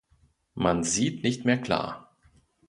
Man sieht nicht mehr klar.